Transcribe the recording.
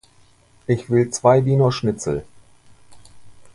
Ich will zwei Wiener Schnitzel.